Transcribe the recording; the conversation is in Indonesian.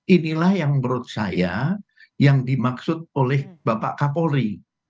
inilah yang menurut saya yang dimaksud oleh bapak kapolri